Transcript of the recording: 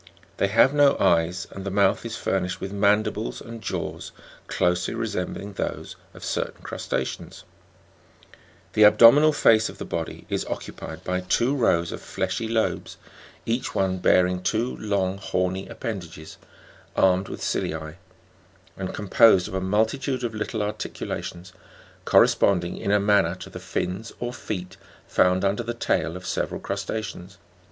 They have no eyes, and the Fig. 70. CIKRHOPOD or CIRRIPED. mouth is furnished with mandibles and jaws, closely resembling those of certain crusta'ceans ; the ab dominal face of the body is occupied by two rows of fleshy lobes, each one bearing two long horny appendages (c), armed with cilise, and composed of a multitude of little articulations, corresponding in a manner to the fins or feet found under the tail of several crusta'ceans.